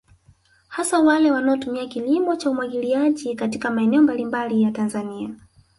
Hasa wale wanaotumia kilimo cha umwagiliaji katika maeneo mbalimbali ya Tanzania